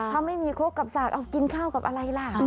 ถ้าไม่มีครกกับสากเอากินข้าวกับอะไรล่ะ